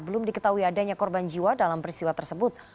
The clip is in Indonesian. belum diketahui adanya korban jiwa dalam peristiwa tersebut